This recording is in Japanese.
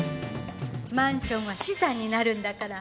マンションは資産になるんだから！